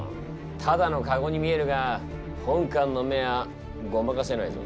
ただのカゴに見えるが本官の目はごまかせないぞ。